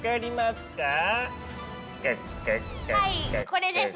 はいこれです。